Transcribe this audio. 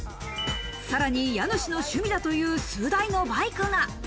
さらに家主の趣味だという数台のバイクが。